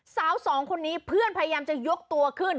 สาวสองคนนี้เพื่อนพยายามจะยกตัวขึ้น